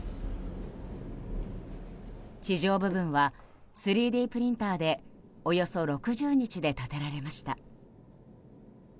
地上部分は３Ｄプリンターでおよそ６０日で建てられました。